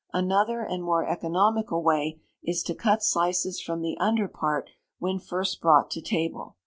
Another and more economical way, is to cut slices from the under part when first brought to table.